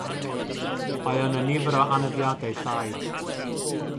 Mae yna nifer o aneddiadau llai.